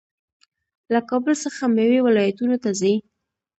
له کابل څخه میوې ولایتونو ته ځي.